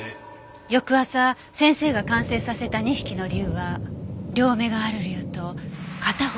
翌朝先生が完成させた２匹の龍は両目がある龍と片方の目だけの龍。